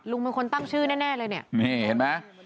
ลุงเป็นคนตั้งชื่อแน่เลยเนี่ย